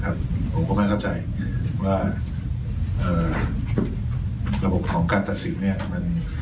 ผมก็ไม่เข้าใจว่าระบบของการตัดสินเนี่ย